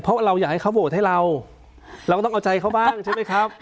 เพราะเราอยากให้เขาโหวตให้เราเราก็ต้องเอาใจเขาบ้างใช่ไหมครับ